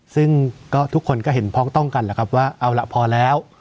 ซึ่งก็ทุกคนก็เห็นพ้องต้องกันแหละครับว่าเอาล่ะพอแล้ว